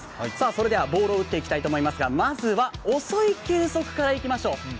それではボールを打っていきたいと思いますがまずは遅い球速からいきましょう。